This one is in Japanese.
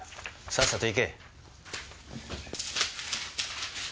さっさと行け。